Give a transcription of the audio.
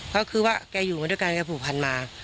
ก็คือว่าแกอยู่มาด้วยกันแกผูกพันมา